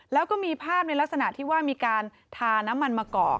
แล้วก็มีภาพในลักษณะที่ว่ามีการทาน้ำมันมะกอก